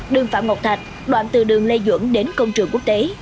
đường phạm ngọc thạch đoạn từ đường lê duẩn đến công trường quốc tế